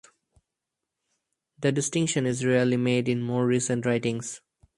The distinction is rarely made in more recent writings.